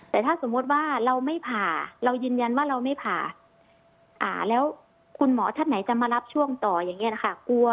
แต่ถ้าสมมุติว่าเราไม่ผ่าเรายืนยันว่าเราไม่ผ่าแล้วคุณหมอท่านไหนจะมารับช่วงต่ออย่างนี้นะคะ